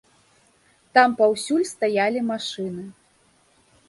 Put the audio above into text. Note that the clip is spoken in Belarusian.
Там паўсюль стаялі машыны.